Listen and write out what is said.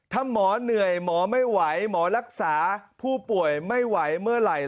ถ้าหมอเหนื่อยหมอไม่ไหวหมอรักษาผู้ป่วยไม่ไหวเมื่อไหร่